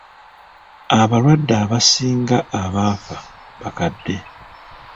Abalwadde abasinga abafa bakadde.